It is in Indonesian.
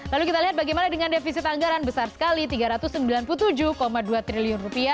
lalu kita lihat bagaimana dengan defisit anggaran besar sekali rp tiga ratus sembilan puluh tujuh dua triliun